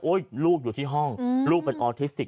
ลูกอยู่ที่ห้องลูกเป็นออทิสติก